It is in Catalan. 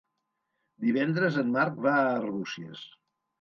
Divendres en Marc va a Arbúcies.